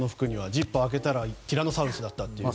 ジッパーを開けたらティラノサウルスだったって。